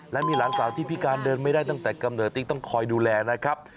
และมีหลานสาวที่พิการเดินไม่ได้ตั้งแต่กำเนิดที่ต้องคอยดูแลนะครับ